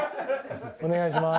お願いします。